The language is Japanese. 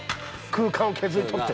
「空間を削り取って」